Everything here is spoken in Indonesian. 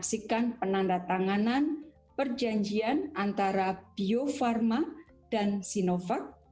kedua menyaksikan penanda tanganan perjanjian antara bio farma dan sinovac